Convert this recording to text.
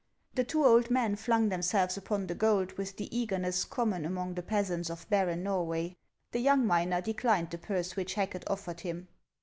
The two old men flung themselves upon the gold with the eagerness common among the peasants of barren Xor way. The young miner declined the purse which Hacket offered him.